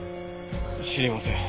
知りません。